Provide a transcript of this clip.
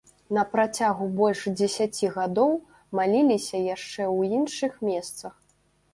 На працягу больш дзесяці гадоў маліліся яшчэ ў іншых месцах.